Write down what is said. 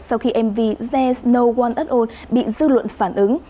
sau khi mv there s no one at all bị dư luận phản ứng